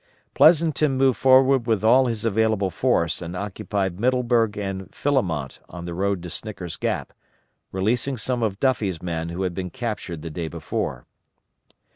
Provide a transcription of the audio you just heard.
Pleasonton moved forward with all his available force and occupied Middleburg and Philemont on the road to Snicker's Gap; releasing some of Duffie's men who had been captured the day before.